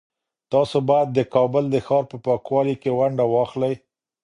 تاسو باید د کابل د ښار په پاکوالي کي ونډه واخلئ.